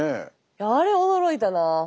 あれ驚いたな。